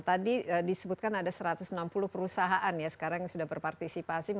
tadi disebutkan ada satu ratus enam puluh perusahaan ya sekarang yang sudah berpartisipasi